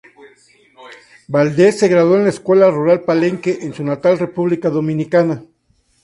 Valdez se graduó de la Escuela Rural Palenque en su natal República Dominicana.